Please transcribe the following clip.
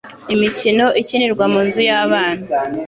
Imikino ikinirwa mu nzu yabana.